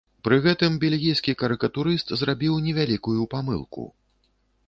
Пры гэтым бельгійскі карыкатурыст зрабіў невялікую памылку.